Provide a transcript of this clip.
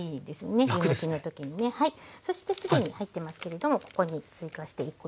そして既に入ってますけれどもここに追加して１コ入れます。